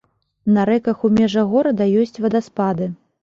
На рэках у межах горада ёсць вадаспады.